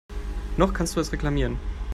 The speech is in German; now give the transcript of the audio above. Noch kannst du es reklamieren.